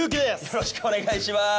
よろしくお願いします。